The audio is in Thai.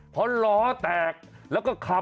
เพราะล้อแตก